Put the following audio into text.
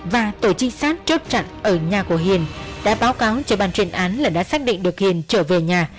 và tội trinh sát trốt trận ở nhà của hiền đã báo cáo cho ban chuyên án là đã xác định được hiền trở về nhà